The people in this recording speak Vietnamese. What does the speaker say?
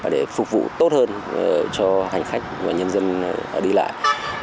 để phục vụ tốt hơn cho hành khách và nhân dân đi lại